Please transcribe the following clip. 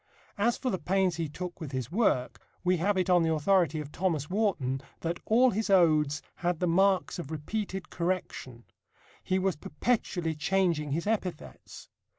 As for the pains he took with his work, we have it on the authority of Thomas Warton that "all his odes ... had the marks of repeated correction: he was perpetually changing his epithets."